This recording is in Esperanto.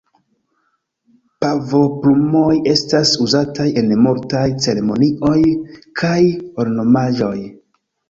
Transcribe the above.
Pavoplumoj estas uzataj en multaj ceremonioj kaj ornamaĵoj.